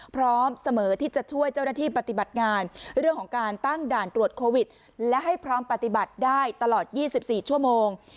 พร้อมเสมอที่จะช่วยเจ้าหน้าที่ปฏิบัติงานเรื่องของการตั้งด่านตรวจโควิดและให้พร้อมปฏิบัติได้ตลอด๒๔ชั่วโมง